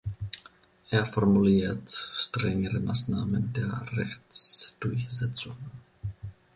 Er formuliert strengere Maßnahmen der Rechtsdurchsetzung.